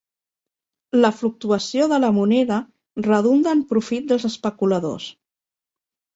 La fluctuació de la moneda redunda en profit dels especuladors.